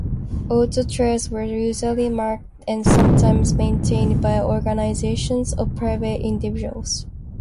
Auto trails were usually marked and sometimes maintained by organizations of private individuals.